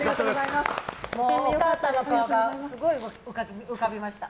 お母さんの顔がすごく浮かびました。